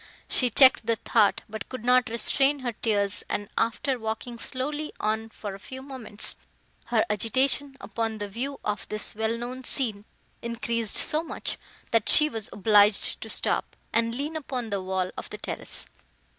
—she checked the thought, but could not restrain her tears, and, after walking slowly on for a few moments, her agitation, upon the view of this well known scene, increased so much, that she was obliged to stop, and lean upon the wall of the terrace.